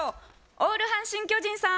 オール阪神・巨人さん。